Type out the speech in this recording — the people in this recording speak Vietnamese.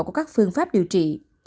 của các phương pháp điều trị